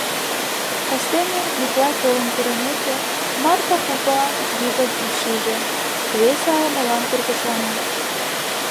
Кастене, Миклай толын пурымеке, Марпа кува вигак шиже: рвезе ала-молан тургыжлана.